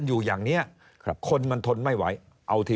อยู่อย่างเนี้ยคนมันทนไม่ไหว